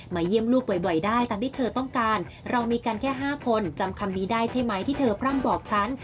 เยี่ยมลูกบ่อยได้ตามที่เธอต้องการเรามีกันแค่๕คนจำคำนี้ได้ใช่ไหมที่เธอพร่ำบอกฉัน